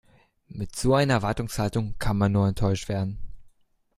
Mit so einer Erwartungshaltung kann man nur enttäuscht werden.